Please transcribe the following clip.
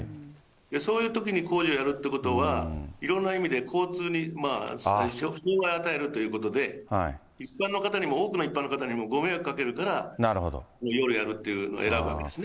そういうときに工事をやるということは、いろんな意味で交通にを与えるということで、一般の方にも、多くの一般の方にも迷惑をかけるので、夜やるっていうのを選ぶわけですね。